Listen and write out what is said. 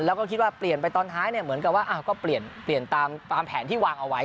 แล้วก็คิดว่าเปลี่ยนไปตอนท้ายเนี่ยเหมือนกับว่าก็เปลี่ยนตามแผนที่วางเอาไว้